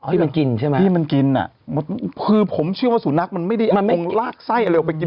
ที่มันกินใช่ไหมที่มันกินอ่ะคือผมเชื่อว่าสุนัขมันไม่ได้มันคงลากไส้อะไรออกไปกิน